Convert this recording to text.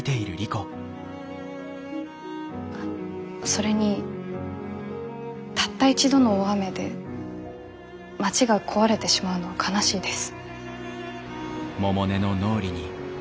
それにたった一度の大雨で町が壊れてしまうのは悲しいです。